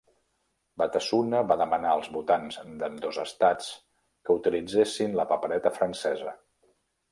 Batasuna va demanar als votants d'ambdós estats que utilitzessin la papereta francesa.